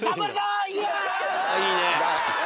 いいね。